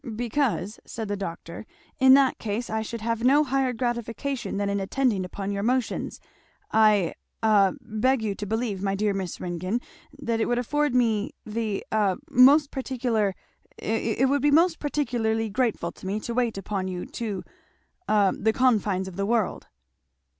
"Because," said the doctor, "in that case I should have no higher gratification than in attending upon your motions. I a beg you to believe, my dear Miss Ringgan, that it would afford me the a most particular it would be most particularly grateful to me to wait upon you to a the confines of the world."